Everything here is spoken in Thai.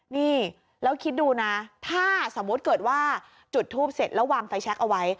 นี่แล้วคิดดูนะถ้าสมมุติเกิดว่าจุดทูปเสร็จแล้ววางไฟแช็คเอาไว้